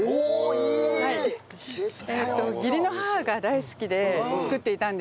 いいですね！